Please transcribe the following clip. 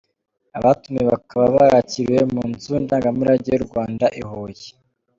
Abatumiwe bakaba barakiririwe mu nzu ndangamurage y’u Rwanda i Huye.